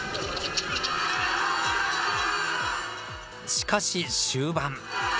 しかし、終盤。